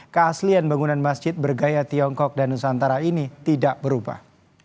keaslian bangunan masjid bergaya tiongkok dan nusantara ini tidak berubah